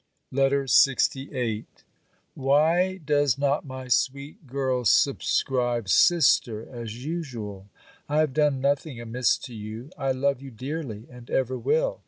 B. LETTER LXVIII Why does not my sweet girl subscribe Sister, as usual? I have done nothing amiss to you! I love you dearly, and ever will.